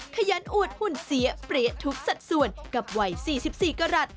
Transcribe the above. ขยันอวดหุ่นเสียเปรี้ยทุกสัดส่วนกับวัย๔๔กรัฐ